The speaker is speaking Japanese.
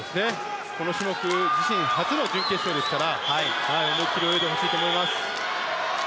この種目自身初の準決勝ですから思い切り泳いでほしいと思います。